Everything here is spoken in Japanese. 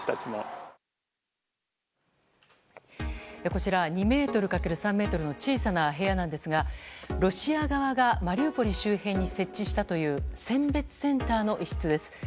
こちら、２ｍかける３ｍの小さな部屋なんですがロシア側がマリウポリ周辺に設置したという選別センターの一室です。